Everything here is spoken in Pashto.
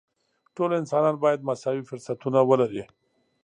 ټول انسانان باید مساوي فرصتونه ولري.